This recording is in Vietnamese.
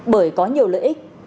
bởi có nhiều lợi ích